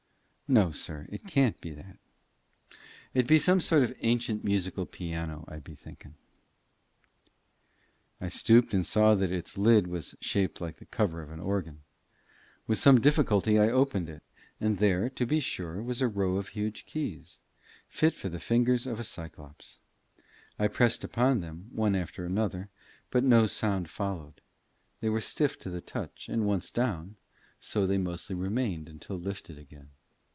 "No, sir; it can't be that. It be some sort of ancient musical piano, I be thinking." I stooped and saw that its lid was shaped like the cover of an organ. With some difficulty I opened it; and there, to be sure, was a row of huge keys, fit for the fingers of a Cyclops. I pressed upon them, one after another, but no sound followed. They were stiff to the touch; and once down, so they mostly remained until lifted again.